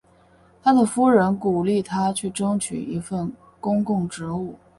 他的夫人鼓励他去争取一份公共职务。